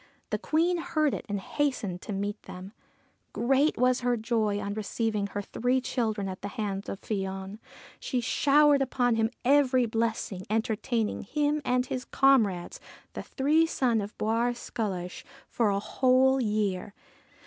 The Queen heard it and hastened to meet them. Great was her joy on receiving her three children at the hands of Fion. And she showered upon him every blessing, entertaining him and his comrades the three sons of Bawr Sculloge for a 79 QUEEN OF THE MANY COLOURED BEDCHAMBER whole year.